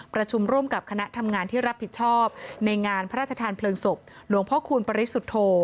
ประชุมร่วมกับคณะทำงานที่รับผิดชอบในงานพระราชทานเพลิงศพหลวงพ่อคูณปริสุทธโธ